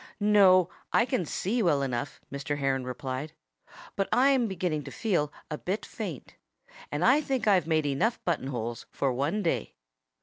"No I can see well enough," Mr. Heron replied. "But I'm beginning to feel a bit faint. And I think I've made enough button holes for one day."